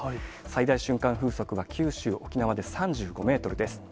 最大瞬間風速は九州、沖縄で３５メートルです。